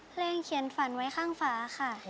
เขียนฝันไว้ข้างฝาค่ะ